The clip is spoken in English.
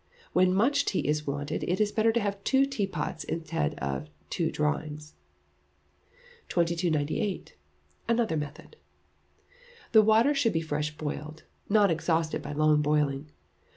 When much tea is wanted, it is better to have two tea pots instead of two drawings. 2298. Another Method. The water should be fresh boiled, not exhausted by long boiling.